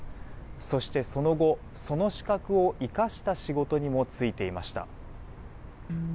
そして、その後その資格を生かした仕事にも就いていました。